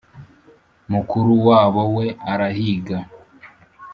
Mukuru wabo we arahiga